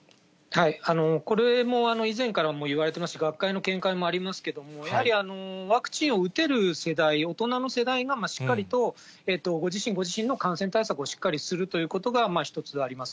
これも以前から言われています、学会の見解もありますけれども、やはりワクチンを打てる世代、大人の世代がしっかりとご自身、ご自身の感染対策をしっかりするということが、まず一つあります。